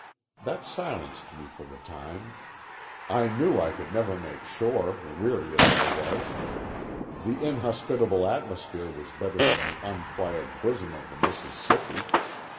That silenced me for the time. I knew I could never make shore, weary as I was. The inhospitable atmosphere was better than the unquiet bosom of the Mississippi.